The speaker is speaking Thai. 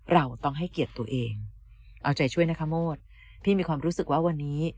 เราต้องให้เกียรติตัวเองเอาใจช่วยนะคะโมดพี่มีความรู้สึกว่าวันนี้